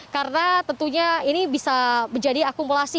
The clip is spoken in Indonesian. karena tentunya ini bisa menjadi akumulasi